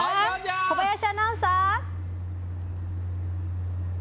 小林アナウンサー！